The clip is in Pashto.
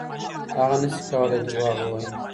هغه نسي کولای دروغ ووایي.